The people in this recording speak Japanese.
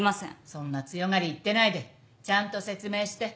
そんな強がり言ってないでちゃんと説明して。